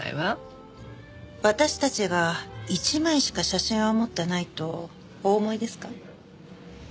私たちが１枚しか写真を持ってないとお思いですか？